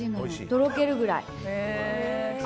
とろけるくらい。